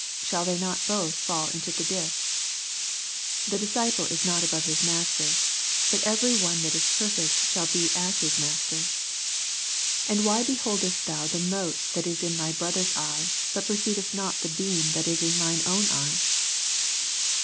shall they not both &11 into the ditch ? 40 The disciple is not above his mas ter : bnt every one that is perfect shall be as his master. 41 And why beholdest thou the mote that is in thv brother's eye, bat per ceivest Dot the beam that is in thine own eye